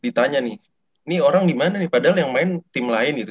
ditanya nih ini orang dimana nih padahal yang main tim lain gitu